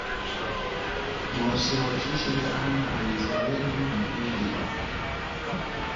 Mose wachijile ana a aizalele mu engitu.